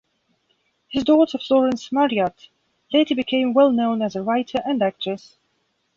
His daughter Florence Marryat later became well known as a writer and actress.